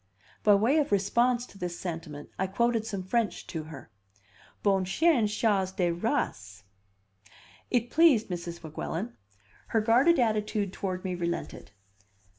By way of response to this sentiment, I quoted some French to her. "Bon chien chasse de race." It pleased Mrs. Weguelin. Her guarded attitude toward me relented.